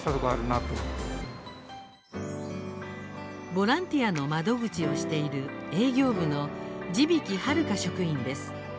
ボランティアの窓口をしている営業部の地曵悠職員です。